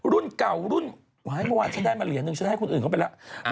รุ่นเก่ารุ่นว้ายเมื่อวานฉันได้มาเหรียญนึงฉันให้คนอื่นเข้าไปแล้ว